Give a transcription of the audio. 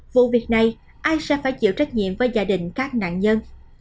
vụ việc này ai sẽ phải chịu trách nhiệm với gia đình các nạn nhân